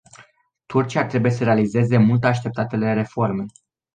Turcia trebuie să realizeze mult așteptatele reforme.